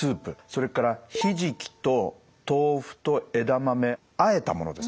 それからひじきと豆腐と枝豆あえたものですね。